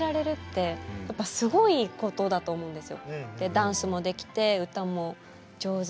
ダンスもできて歌も上手で。